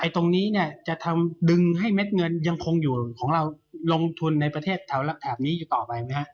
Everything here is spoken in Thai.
ตรงนี้เนี่ยจะทำดึงให้เม็ดเงินยังคงอยู่ของเราลงทุนในประเทศแถวแถบนี้อยู่ต่อไปไหมฮะ